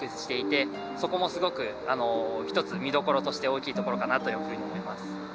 そこもすごく一つ見どころとして大きいところかなというふうに思います。